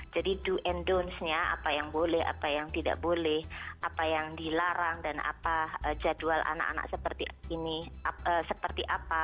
jadi do and don't nya apa yang boleh apa yang tidak boleh apa yang dilarang dan apa jadwal anak anak seperti ini seperti apa